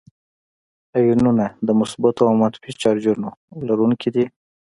آیونونه د مثبتو او منفي چارجونو لرونکي دي.